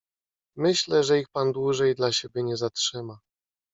"Myślę, że ich pan dłużej dla siebie nie zatrzyma."